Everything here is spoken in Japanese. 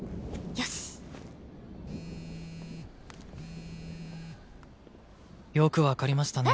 タッよく分かりましたね。